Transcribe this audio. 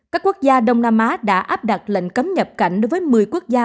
các quốc gia đông nam á đã áp đặt lệnh cấm nhập cảnh đối với một mươi quốc gia